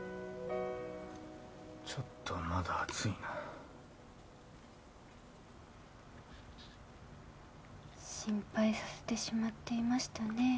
ちょっとまだ熱いな心配させてしまっていましたね